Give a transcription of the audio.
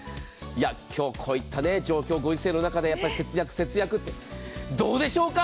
今日こういった状況、ご時世の中で、節約節約って、どうでしょうか。